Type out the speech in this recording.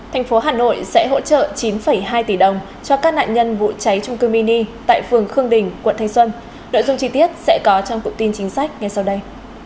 thành phố hà nội sẽ hỗ trợ chín hai tỷ đồng cho các nạn nhân vụ cháy trung cư mini tại phường khương đình quận thanh xuân nội dung chi tiết sẽ có trong cụm tin chính sách ngay sau đây